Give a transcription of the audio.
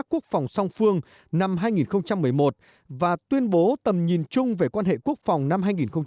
hợp tác quốc phòng song phương năm hai nghìn một mươi một và tuyên bố tầm nhìn chung về quan hệ quốc phòng năm hai nghìn một mươi năm